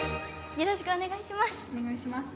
よろしくお願いします。